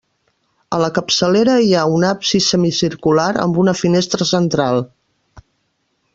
A la capçalera hi ha un absis semicircular, amb una finestra central.